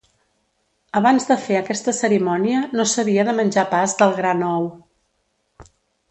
Abans de fer aquesta cerimònia no s'havia de menjar pas del gra nou.